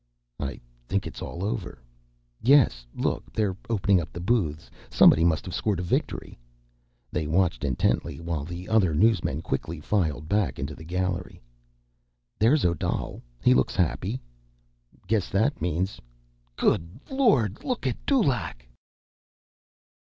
"I think it's all over.... Yes, look, they're opening up the booths. Somebody must've scored a victory." They watched intently while the other newsmen quickly filed back into the gallery. "There's Odal. He looks happy." "Guess that means—" "Good Lord! Look at Dulaq!"